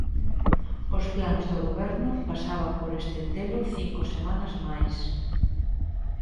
Os plans do Goberno pasaban por estendelo cinco semanas máis.